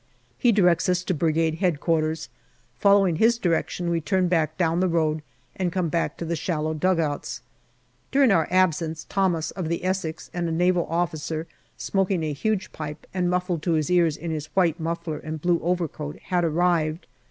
He directs us to Brigade H.Q. Following his direction, we turn back down the road and come back to the shallow dugouts. During our absence Thomas, of the Essex, and a Naval officer, smoking a huge pipe and muffled to his ears in his white muffler and blue overcoat, had arrived.